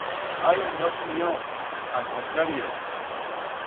Ai, no sinyor, a'l contrario.